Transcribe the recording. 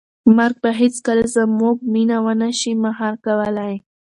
مرګ به هیڅکله زموږ مینه ونه شي مهار کولی.